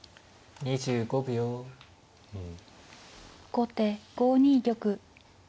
後手５二玉。